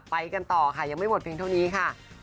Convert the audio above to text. ไปกันต่อค่ะยังไม่หมดเพียงเท่านี้ค่ะ